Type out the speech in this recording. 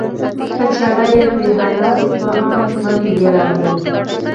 "په چاړه یې کړه حلاله سبحان من یرانی".